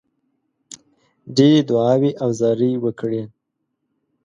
ډېرې دعاوي او زارۍ وکړې.